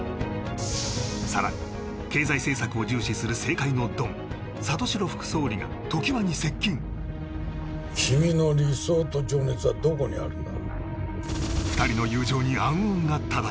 更に経済政策を重視する政界のドン里城副総理が常盤に接近君の理想と情熱はどこにあるんだ？